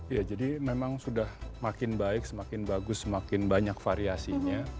ya jadi memang sudah makin baik semakin bagus semakin banyak variasinya